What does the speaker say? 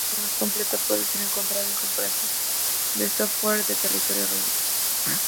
Una lista más completa puede ser encontrada en: Comparación de software de escritorio remoto